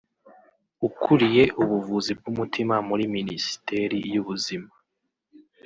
ukuriye ubuvuzi bw’umutima muri Minisiteri y’Ubuzima